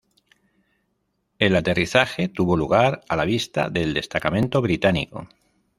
El aterrizaje tuvo lugar a la vista del destacamento británico.